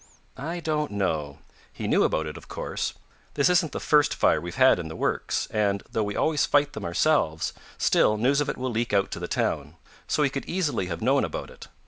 "I don't know. He knew about it, of course. This isn't the first fire we've had in the works, and, though we always fight them ourselves, still news of it will leak out to the town. So he could easily have known about it.